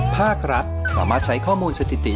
ภาครัฐสามารถใช้ข้อมูลสถิติ